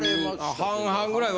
半々ぐらい。